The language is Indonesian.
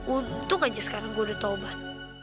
untung aja sekarang gue udah taubat